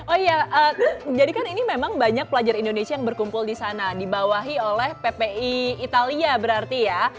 oh iya jadi kan ini memang banyak pelajar indonesia yang berkumpul di sana dibawahi oleh ppi italia berarti ya